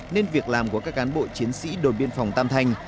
nên việc làm của các cán bộ chiến sĩ đồn biên phòng tam thanh